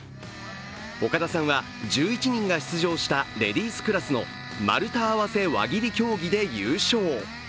岡田さんは１１人が出場したレディースクラスの丸太合わせ輪切り競技で優勝。